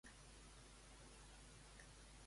Li havia comentat alguna cosa a l'amic sobre la boda?